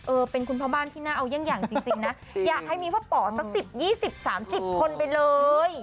เออเป็นคุณพ่อบ้านที่น่าเอายังจริงน่ะอย่าให้มีว่าป๋อจะ๒๐๓๐คนไปเลย